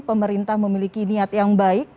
pemerintah memiliki niat yang baik